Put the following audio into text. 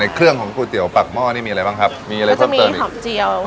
เครื่องของก๋วยเตี๋ยวปากหม้อนี่มีอะไรบ้างครับมีอะไรเพิ่มเติมอีกผักเจียว